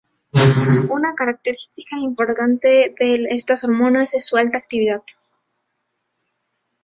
Una característica importante de estas hormonas es su alta actividad.